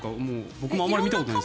僕もあまり見たことがないですが。